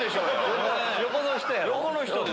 横の人やろ？